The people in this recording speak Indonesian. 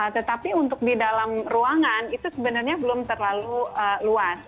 tetapi untuk di dalam ruangan itu sebenarnya belum terlalu luas